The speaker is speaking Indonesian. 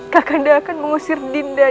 kakanda akan mengusir dinda